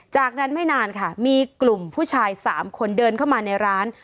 จากนั้นไม่นานค่ะมีกลุ่มผู้ชาย๓คนเดินเข้ามาในร้าน